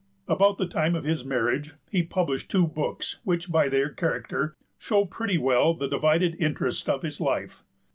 About the time of his marriage, he published two books which, by their character, show pretty well the divided interest of his life.